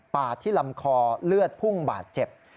ที่ลำคอเลือดพุ่งบาดเจ็บ